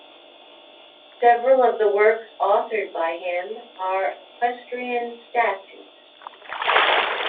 Several of the works authored by him are equestrian statues.